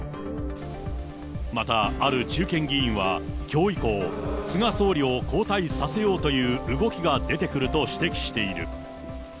またある中堅議員はきょう以降、菅総理を交代させようという動きが出てくると指摘している。